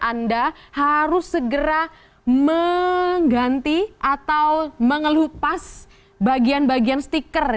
anda harus segera mengganti atau mengelupas bagian bagian stiker